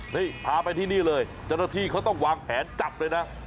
นี่พาไปที่นี่เลยเจ้าหน้าที่เขาต้องวางแผนจับเลยนะ